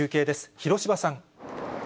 広芝さん。